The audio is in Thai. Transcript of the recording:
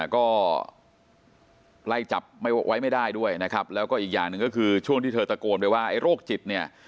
ก็ไล่จับไว้ไม่ได้ด้วยนะครับแล้วก็อีกอย่างหนึ่งก็คือช่วงที่เธอตะโกนไปว่าไอ้โรคจิตเนี่ย